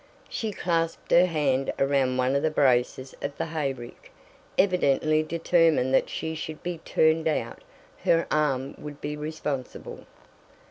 She clasped her hand around one of the braces of the hayrick, evidently determined that should she be "turned out" her arm would be responsible.